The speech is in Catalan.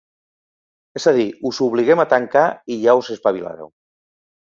És a dir, us obliguem a tancar i ja us espavilareu.